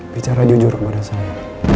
bicara jujur kepada saya